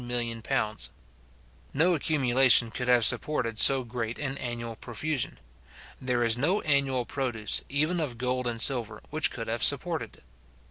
No accumulation could have supported so great an annual profusion. There is no annual produce, even of gold and silver, which could have supported it.